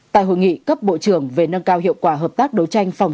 tại hội nghị cấp bộ trưởng về nâng cao hiệu quả hợp tác đối chống